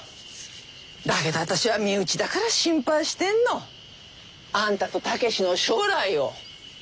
だけど私は身内だから心配してんのあんたと武志の将来を。